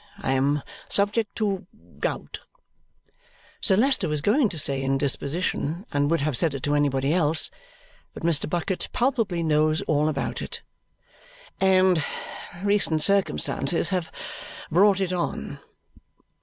I am subject to gout" Sir Leicester was going to say indisposition and would have said it to anybody else, but Mr. Bucket palpably knows all about it "and recent circumstances have brought it on."